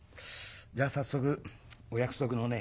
じゃあ早速お約束のね